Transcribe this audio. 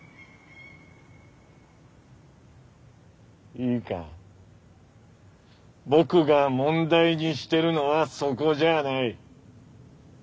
いいか僕が問題にしてるのはそこじゃあない。